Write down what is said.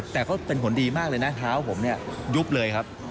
แต่ก็เป็นผลดีมากเลยนะเท้าผมเนี่ยยุบเลยครับ